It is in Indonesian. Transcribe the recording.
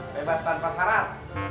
bebas tanpa saran